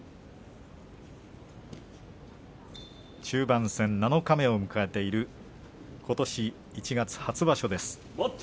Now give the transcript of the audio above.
中盤戦七日目を迎えていることし１月初場所です。